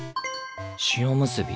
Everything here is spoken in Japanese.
塩むすび。